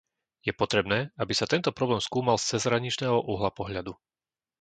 Je potrebné, aby sa tento problém skúmal z cezhraničného uhla pohľadu.